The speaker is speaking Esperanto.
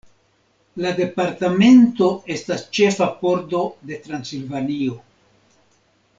La departamento estas ĉefa pordo de Transilvanio.